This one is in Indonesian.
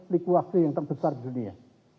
likuasi yang terbesar di dunia